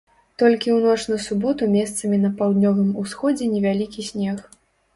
Толькі ў ноч на суботу месцамі на паўднёвым усходзе невялікі снег.